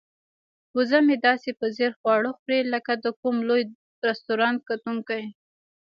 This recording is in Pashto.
وزه مې داسې په ځیر خواړه خوري لکه د کوم لوی رستورانت کتونکی.